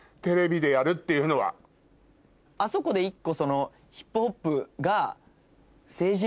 あそこで１個。